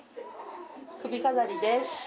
首飾りです。